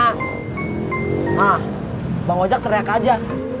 nah bang ojek teriak aja